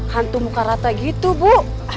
hantu muka rata gitu bu